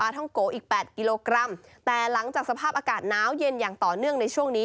ท่องโกอีก๘กิโลกรัมแต่หลังจากสภาพอากาศน้าวเย็นอย่างต่อเนื่องในช่วงนี้